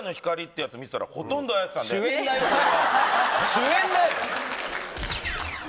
主演だよ！